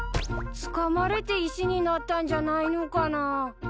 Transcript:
つかまれて石になったんじゃないのかな。